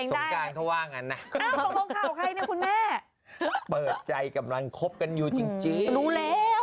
สงการเท่าว่างั้นนะเปิดใจกำลังคบกันอยู่จริงรู้แล้ว